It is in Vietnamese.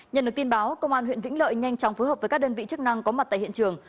nhận được tin báo công an huyện vĩnh lợi nhanh chóng phối hợp với các đơn vị chức năng có mặt tại hiện trường